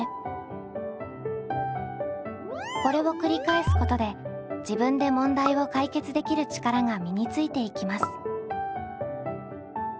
これを繰り返すことで自分で問題を解決できる力が身についていきます。